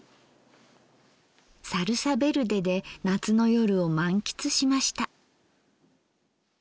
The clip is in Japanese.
サルサベルデで夏の夜を満喫しました。